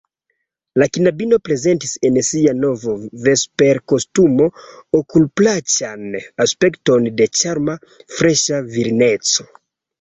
La knabino prezentis en sia nova vesperkostumo okulplaĉan aspekton de ĉarma, freŝa virineco.